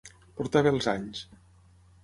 Portar bé els anys.